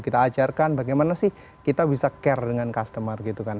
kita ajarkan bagaimana sih kita bisa care dengan customer gitu kan